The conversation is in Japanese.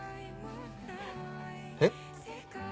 えっ？